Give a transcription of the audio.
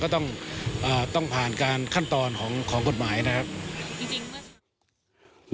ก็ต้องผ่านการขั้นตอนของกฎหมายนะครับ